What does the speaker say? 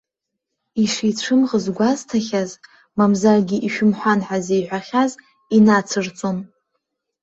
Ишицәымӷыз гәазҭахьаз, мамзаргьы ишәымҳәан ҳәа зеиҳәахьаз, инацырҵон.